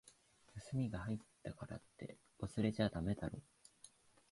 休みが入ったからって、忘れちゃだめだろ。